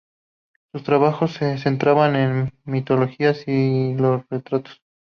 Sus trabajos se centraban en la mitología y los retratos.